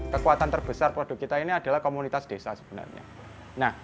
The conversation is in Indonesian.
kekuatan terbesar produk kita ini adalah komunitas desa sebenarnya